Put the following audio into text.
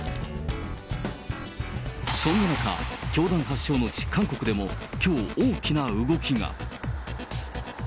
そんな中、教団発祥の地、韓国でもきょう、大きな動きが。